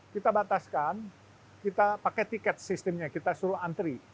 kita bataskan kita pakai tiket sistemnya kita suruh antri